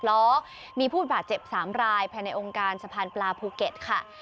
แล้วมีพูดบาดเจ็บสามรายแผ่นในองค์การสะพานปลาภูเก็ตค่ะ